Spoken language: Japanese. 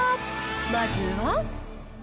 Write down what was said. まずは。